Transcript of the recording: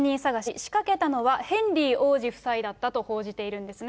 仕掛けたのはヘンリー王子夫妻だったと報じているんですね。